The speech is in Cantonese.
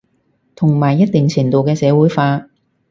同埋一定程度嘅社會化